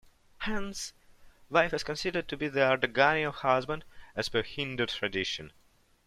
Hence wife is considered to be the Ardhangani of husband as per Hindu tradition.